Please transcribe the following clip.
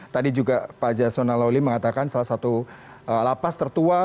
tadi juga pak jasona lawli mengatakan salah satu lapas tertua